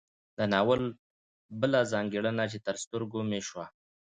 د ناول بله ځانګړنه چې تر سترګو مې شوه